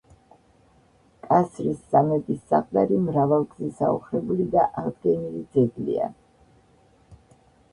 კასრის სამების საყდარი მრავალგზის აოხრებული და აღდგენილი ძეგლია.